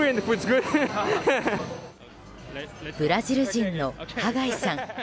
ブラジル人のハガイさん。